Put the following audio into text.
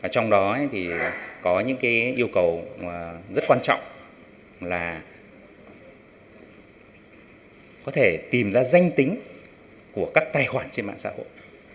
trong đó thì có những yêu cầu rất quan trọng là có thể tìm ra danh tính của các tài khoản trên mạng xã hội